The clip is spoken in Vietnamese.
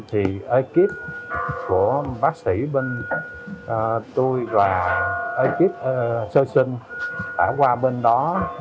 thì ekip của bác sĩ bên tôi và ekip sơ sinh ở qua bên đó